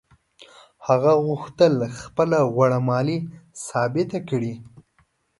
هغه غوښتل خپله غوړه مالي ثابته کړي.